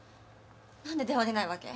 何で電話出ないわけ？